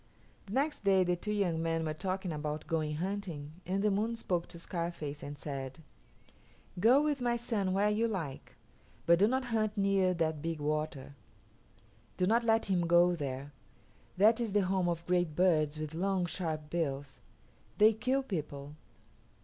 The next day the two young men were talking about going hunting and the Moon spoke to Scarface and said, "Go with my son where you like, but do not hunt near that big water. Do not let him go there. That is the home of great birds with long, sharp bills. They kill people.